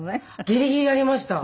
ギリギリありました。